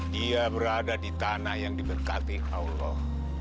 dia berada di tanah yang diberkati allah